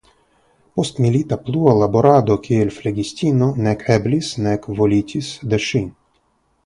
Postmilita plua laborado kiel flegistino nek eblis nek volitis de ŝi.